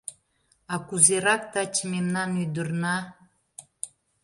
— А кузерак таче мемнан ӱдырна?